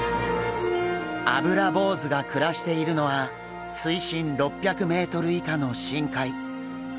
アブラボウズが暮らしているのは水深６００ｍ以下の深海。